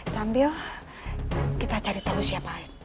sambil kita cari tahu siapa